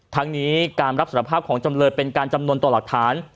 ทั้งนี้การรับสารภาพของจำเลยเป็นการจำนวนต่อหลักฐาน